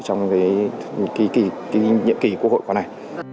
trong cái nhiệm kỳ quốc hội của này